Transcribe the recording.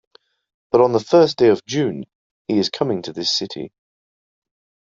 But on the first day of June he is coming to this city.